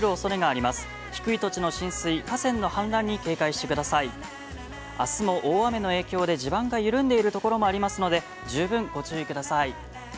あすも大雨の影響で地盤の緩んでいるところもありますので、十分ご注意ください。